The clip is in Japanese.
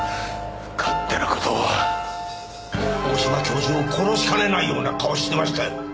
大島教授を殺しかねないような顔をしてましたよ。